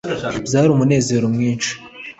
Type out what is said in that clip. byari umunezero mwinshi